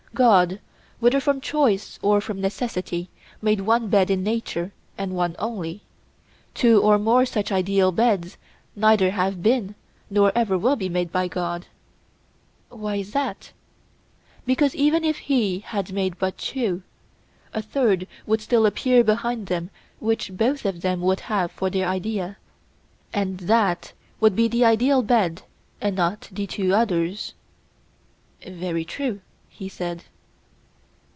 God, whether from choice or from necessity, made one bed in nature and one only; two or more such ideal beds neither ever have been nor ever will be made by God. Why is that? Because even if He had made but two, a third would still appear behind them which both of them would have for their idea, and that would be the ideal bed and not the two others. Very true, he said.